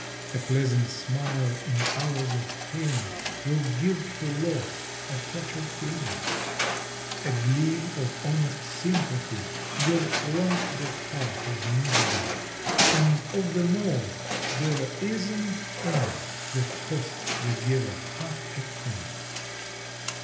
A pleasant smile in hours of pain Will give to loss a touch of gain. A gleam of honest sympathy W T ill light the path of misery, And of them all there isn t any That costs the giver half a penny.